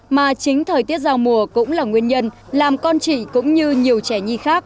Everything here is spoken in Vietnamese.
mà chính thời tiết giao mùa cũng là nguyên nhân làm con chị cũng như nhiều trẻ nhi khác